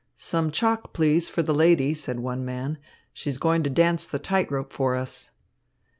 "Some chalk, please, for the lady," said one man. "She is going to dance the tight rope for us."